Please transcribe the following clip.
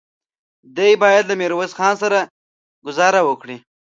دی بايد له ميرويس خان سره ګذاره وکړي.